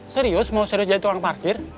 serius mau serius jadi tukang parkir